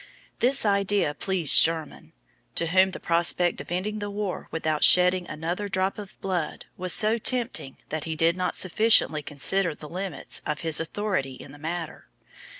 This idea pleased Sherman, to whom the prospect of ending the war without shedding another drop of blood was so tempting that he did not sufficiently consider the limits of his authority in the matter.